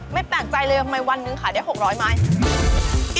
ไม่แปลกใจเลยว่าไม่วันนึงขาดได้๖๐๐ไมล์